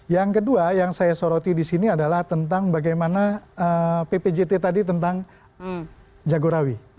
yang kedua yang saya soroti di sini adalah tentang bagaimana ppjt tadi tentang jagorawi